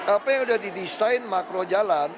apa yang sudah didesain makro jalan